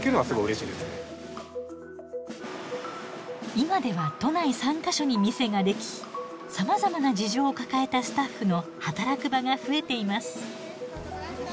今では都内３か所に店ができさまざまな事情を抱えたスタッフの働く場が増えています。